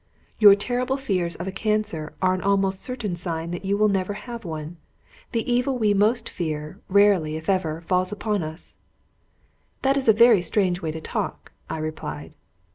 "Your terrible fears of a cancer are an almost certain sign that you will never have one. The evil we most fear, rarely, if ever, falls upon us." "That is a very strange way to talk," I replied.